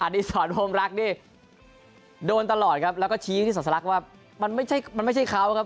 อดีศรพรมรักที่โดนตลอดครับแล้วก็ชี้ที่สัสละว่ามันไม่ใช่เขาครับ